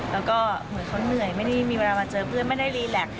แล้วก็เหมือนเขาเหนื่อยไม่ได้มีเวลามาเจอเพื่อนไม่ได้รีแล็ก